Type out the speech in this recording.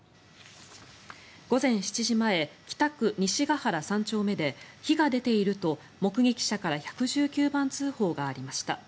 午前７時前、北区西ケ原３丁目で火が出ていると目撃者から１１９番通報がありました。